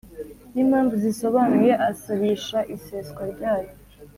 N impamvu zisobanuye asabisha iseswa ry ayo